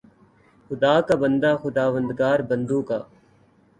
خدا کا بندہ، خداوندگار بندوں کا